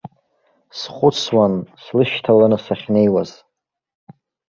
Схәыцуан, слышьҭаланы сахьнеиуаз.